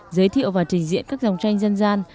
giới thiệu và trình diện các dòng tranh dân gian